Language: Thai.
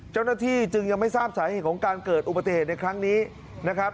เจ้าหน้าที่จึงยังไม่ทราบสาเหตุของการเกิดอุบัติเหตุในครั้งนี้นะครับ